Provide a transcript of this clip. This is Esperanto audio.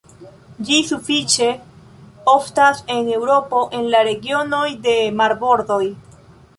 Ĝi sufiĉe oftas en Eŭropo en la regionoj de marbordoj.